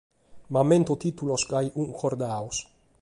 M’amento tìtulos gasi cuncordados.